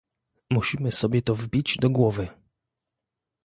Musimy sobie to wbić do głowy